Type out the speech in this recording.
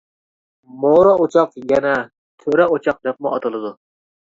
مورا ئوچاق يەنە تۆرە ئوچاق دەپمۇ ئاتىلىدۇ.